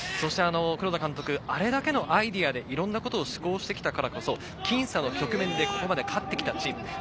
黒田監督、あれだけのアイデアでいろんなことを試行錯誤してきたからこそ、僅差な局面でここまで勝ってきたチーム。